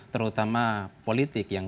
terutama politik yang